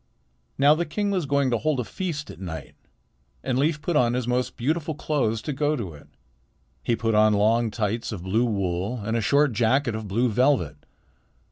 Now the king was going to hold a feast at night, and Leif put on his most beautiful clothes to go to it. He put on long tights of blue wool and a short jacket of blue velvet.